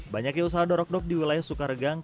banyaknya usaha dorok dok di wilayah sukaregang